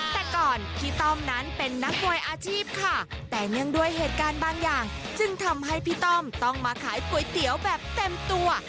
แต่ก่อนพี่ต้อมนั้นเป็นนักมวยอาชีพค่ะแต่เนื่องด้วยเหตุการณ์บางอย่างจึงทำให้พี่ต้อมต้องมาขายก๋วยเตี๋ยวแบบเต็มตัว